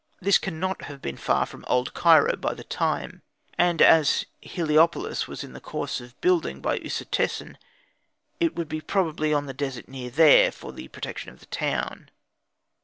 This cannot have been far from Old Cairo, by the time; and as Heliopolis was in course of building by Usertesen, it would be probably on the desert near there, for the protection of the town.